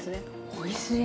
おいしい！